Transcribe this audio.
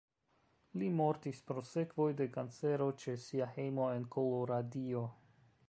Li mortis pro sekvoj de kancero ĉe sia hejmo en Koloradio.